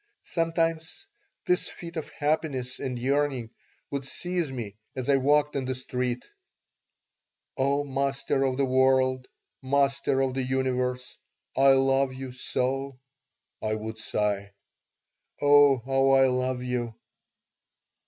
Sometimes this fit of happiness and yearning would seize me as I walked in the street "O Master of the World! Master of the Universe! I love you so!" I would sigh. "Oh, how I love you!"